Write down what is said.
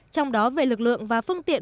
trong đó về lực lượng và phương tiện